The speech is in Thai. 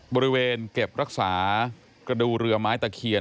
บริเวณเก็บรักษากระดูกเรือไม้ตะเคียน